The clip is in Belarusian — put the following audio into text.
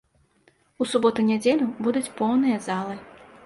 У суботу-нядзелю будуць поўныя залы.